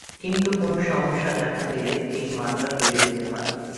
কিন্তু কোনো সমস্যা দেখা দিলে এই মাত্রা বেড়ে যেতে পারে।